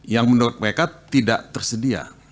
yang menurut mereka tidak tersedia